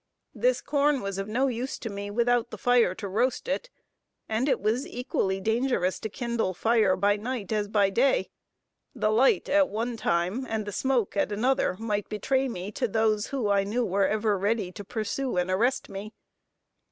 This corn was of no use to me without fire to roast it; and it was equally dangerous to kindle fire by night as by day, the light at one time and the smoke at another, might betray me to those who I knew were ever ready to pursue and arrest me.